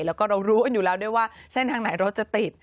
แล้วก็เรารู้กันอยู่แล้วด้วยว่าเส้นทางไหนรถจะติด